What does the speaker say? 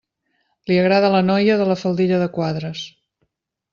Li agrada la noia de la faldilla de quadres.